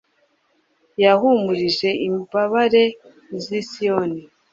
yahumurije imbabare z'i siyoni